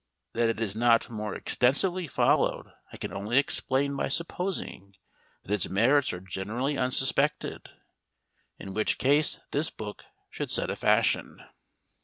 That it is not more extensively followed I can only explain by supposing that its merits are generally unsuspected. In which case this book should set a fashion.